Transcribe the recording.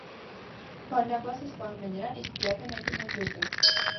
Բարնաբասը սպանում է նրան, իսկ դիակը նետում է գետը։